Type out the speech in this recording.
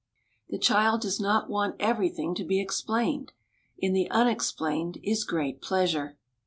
... The child does not want everything to be explained. In the unexplained is great pleasure."